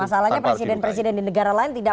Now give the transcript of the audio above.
masalahnya presiden presiden di negara lain tidak